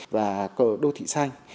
và đô thị xanh